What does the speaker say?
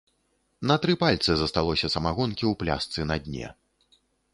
На тры пальцы засталося самагонкі ў пляшцы на дне.